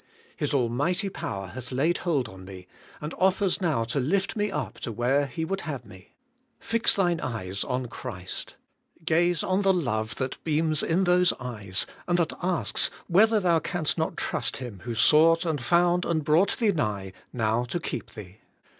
His almighty power hath laid hold on me, and offers now to lift me up to where He would have me. Fix thine eyes on Christ. Gaze on the love that beams in those eyes, and that asks whether thou canst not trust Him, who sought and found and brought thee nigh, now to keep thee.